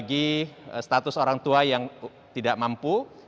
bagi status orang tua yang tidak mampu